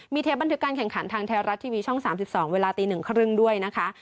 มีเทปบันทึกการแข่งขันทางไทยรัฐทีวีช่อง๓๒เวลาตี๑๓๐ด้วยนะคะ